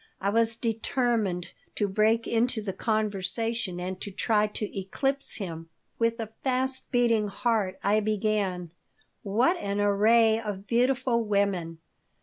I was determined to break into the conversation and to try to eclipse him. With a fast beating heart I began: "What an array of beautiful women!